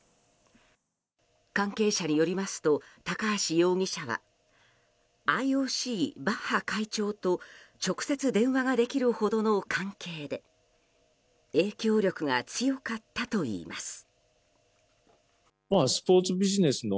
関係者によりますと高橋容疑者はＩＯＣ、バッハ会長と直接電話ができるほどの関係で影響力が強かったといいます。